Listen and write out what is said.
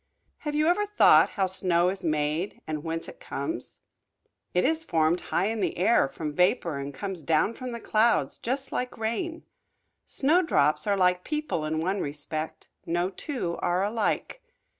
Have you ever thought how snow is made, and whence it comes? It is formed high in the air, from vapor, and comes down from the clouds, just like rain. Snowdrops are like people in one respect, no two are alike.